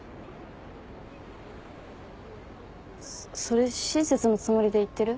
それ親切のつもりで言ってる？